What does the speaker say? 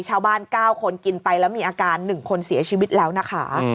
ชาวบ้าน๙คนกินไปแล้วมีอาการ๑คนเสียชีวิตแล้วนะคะ